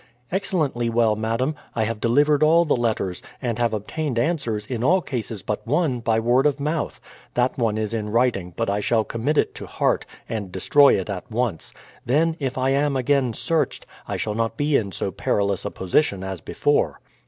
"Excellently well, madam. I have delivered all the letters, and have obtained answers, in all cases but one, by word of mouth. That one is in writing; but I shall commit it to heart, and destroy it at once. Then, if I am again searched, I shall not be in so perilous a position as before."